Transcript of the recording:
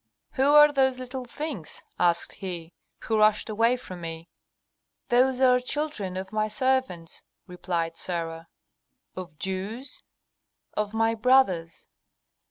"Who are those little things," asked he, "who rushed away from me?" "Those are children of my servants," replied Sarah. "Of Jews?" "Of my brothers."